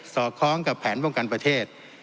อดคล้องกับแผนป้องกันประเทศ